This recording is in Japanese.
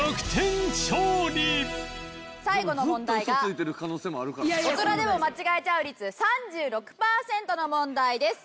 最後の問題が大人でも間違えちゃう率３６パーセントの問題です。